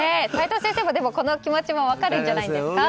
齋藤先生も、この気持ち分かるんじゃないですか。